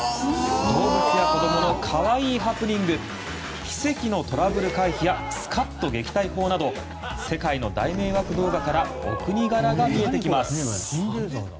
動物や子どもの可愛いハプニング奇跡のトラブル回避やスカッと撃退法など世界の大迷惑動画からお国柄が見えてきます！